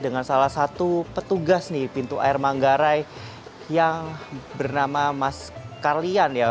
dengan salah satu petugas nih pintu air manggarai yang bernama mas karlian ya